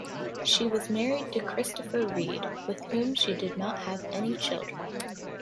She was married to Christopher Reed, with whom she did not have any children.